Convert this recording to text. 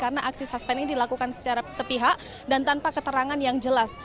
karena aksi suspensi ini dilakukan secara sepihak dan tanpa keterangan yang jelas